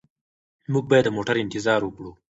موږ باید د موټر انتظار وکړو.